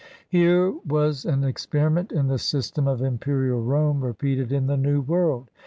Here was an experiment in the system of im perial Rome repeated in the New World.